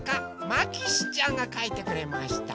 まきしちゃんがかいてくれました。